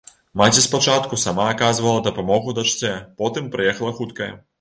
Маці спачатку сама аказвала дапамогу дачцэ, потым прыехала хуткая.